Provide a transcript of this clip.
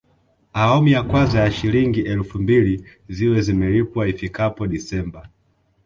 Awamu ya kwanza ya Shilingi elfu mbili ziwe zimelipwa ifikapo Disemba